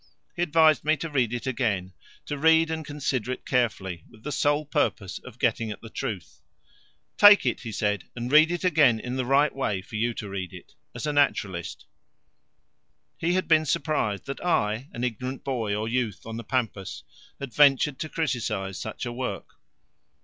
He advised me to read it again, to read and consider it carefully with the sole purpose of getting at the truth. "Take it," he said, "and read it again in the right way for you to read it as a naturalist." He had been surprised that I, an ignorant boy or youth on the pampas, had ventured to criticise such a work.